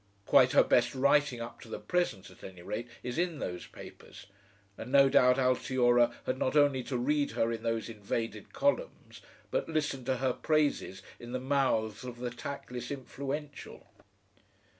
Quite her best writing up to the present, at any rate, is in those papers, and no doubt Altiora had had not only to read her in those invaded columns, but listen to her praises in the mouths of the tactless influential.